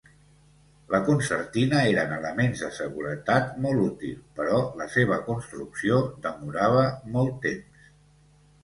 La concertina eren elements de seguretat molt útil, però la seva construcció demorava molt temps.